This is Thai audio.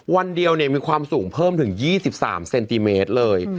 วันเดียวมีความสูงเพิ่มถึง๒๓เซนติเมตรเลย